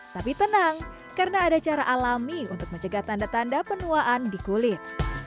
tapi tenang karena ada cara alami untuk mencegah tanda tanda penuaan di kulit